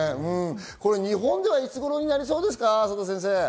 日本では、いつごろになりそうですか？